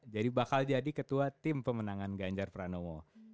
jadi bakal jadi ketua tim pemenangan ganjar pranowo